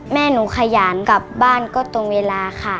แม่หนูขยานกลับบ้านก็ตรงเวลาค่ะ